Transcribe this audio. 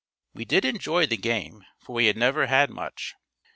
We did enjoy the game, for we had never had much.